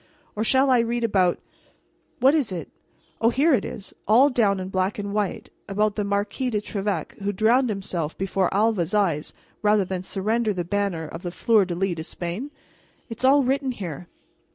Or shall I read about what is it? Oh, here it is, all down in black and white about the Marquis de Trevec who drowned himself before Alva's eyes rather than surrender the banner of the fleur de lis to Spain? It's all written here.